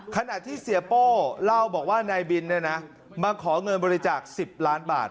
ขณะที่เสียโป้เล่าบอกว่านายบินมาขอเงินบริจาค๑๐ล้านบาท